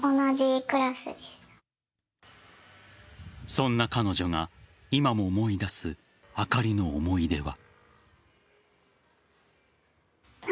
そんな彼女が今も思い出すあかりの思い出は。